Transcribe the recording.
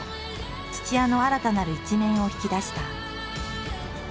土屋の新たなる一面を引き出した。